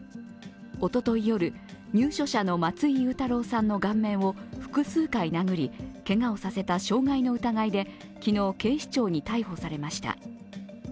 おととい夜、入所者の松井祐太朗さんの顔面を複数回殴りけがをさせた傷害の疑いで昨日、警視庁に逮捕されました。